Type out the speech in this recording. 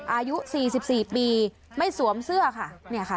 อายุ๔๔ปีไม่สวมเสื้อค่ะ